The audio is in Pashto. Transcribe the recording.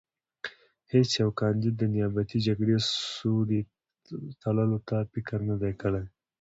هېڅ یوه کاندید د نیابتي جګړې سوړې تړلو ته فکر نه دی کړی.